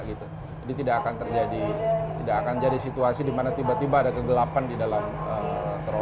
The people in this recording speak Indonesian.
jadi tidak akan terjadi situasi di mana tiba tiba ada kegelapan di dalam truk